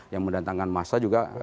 yang mendatangkan massa juga